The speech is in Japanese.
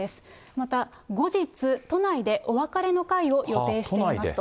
また後日、都内でお別れの会を予定していますと。